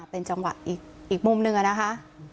เป็นจำวัดอีกอีกมุมหนึ่งอะนะคะ